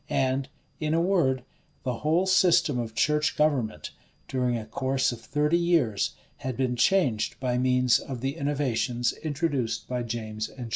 And in a word, the whole system of church government, during a course of thirty years, had been changed by means of the innovations introduced by James and Charles.